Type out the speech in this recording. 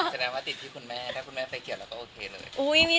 แสดงว่าติดที่คุณแม่หากได้คุณแม่ไปเกี่ยวก็โอเคเลย